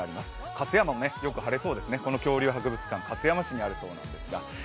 勝山もよく晴れそうですね、この恐竜博物館、勝山市にあるそうなんですが。